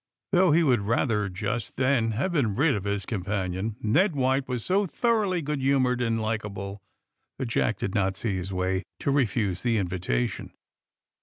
'' Though he would rather, just then, have been rid of his companion, Ned White was so thor oughly good hutoored and likeable that Jack did not see his way to refuse the invitation.